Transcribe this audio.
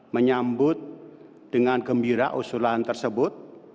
menyambut dengan gembira usulan tersebut